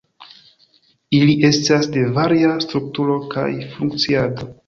Ili estas de varia strukturo kaj funkciado.